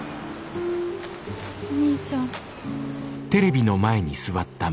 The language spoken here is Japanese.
お兄ちゃん。